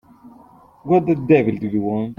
What the devil do you want?